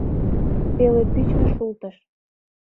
Пеле пӱчмӧ шултыш.